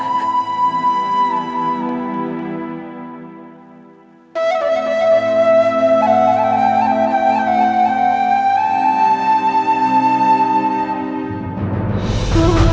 ibu bunda disini nak